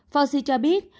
fauci cho biết